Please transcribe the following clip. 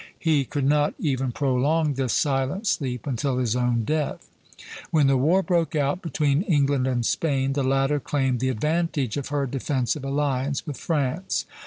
He could not even prolong this silent sleep until his own death." When the war broke out between England and Spain, "the latter claimed the advantage of her defensive alliance with France.